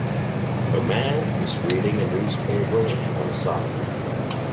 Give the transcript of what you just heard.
A man is reading a newspaper on a subway